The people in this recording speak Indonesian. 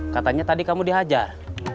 katanya tadi kamu dihajar